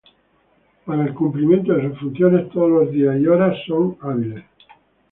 Para el cumplimiento de sus funciones todos los días y horas son hábiles.